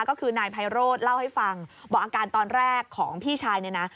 ก็คือนายไพโรธเล่าให้ฟังบอกอาการตอนแรกของพี่ชายเนี่ยนะ